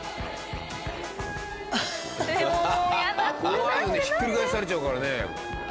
怖いよねひっくり返されちゃうからね。